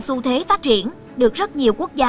xu thế phát triển được rất nhiều quốc gia